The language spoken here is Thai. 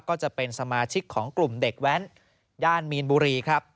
ก็จะเป็นสมาชิกของกลุ่มเด็กแว้นย่านมีนบุรีครับ